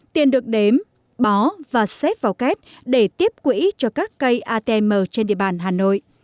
tiền được đếm bó và xếp vào két để tiếp quỹ cho các cây atm trên địa bàn hà nội